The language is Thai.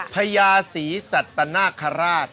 พญาศรีสัตนาคาราช